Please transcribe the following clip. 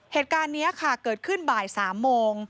เหตุการณ์นี้ค่ะเกิดขึ้นบ่าย๓โมง